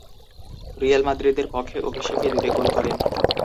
Real মাদ্রিদের পক্ষে অভিষেকেই দু’টি গোল করেন।